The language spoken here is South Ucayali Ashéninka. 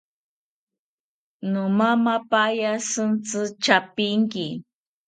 Nomamapaya shintzi tyapinki